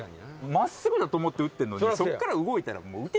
真っすぐだと思って打ってるのにそっから動いたら。